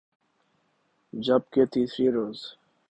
جب کہ تیسرے روز